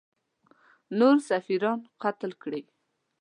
نور سفیران قتل کړي.